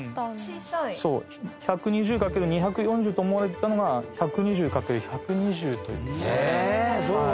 １２０×２４０と思われていたのが１２０×１２０という。